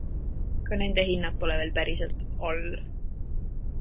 Ka nende hinnad pole veel päriselt all.